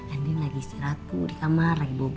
andin lagi istirahat tuh di kamar